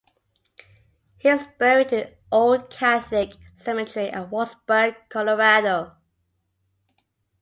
He is buried in the old Catholic Cemetery at Walsenburg, Colorado.